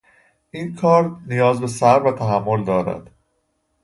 این کار نیاز به صبر و تحمل دارد.